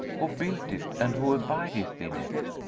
Who built it and who abideth in it?"